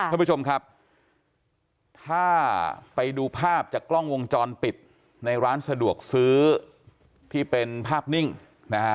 ท่านผู้ชมครับถ้าไปดูภาพจากกล้องวงจรปิดในร้านสะดวกซื้อที่เป็นภาพนิ่งนะฮะ